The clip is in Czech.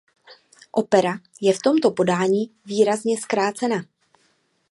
Opera je v tomto podání výrazně zkrácena.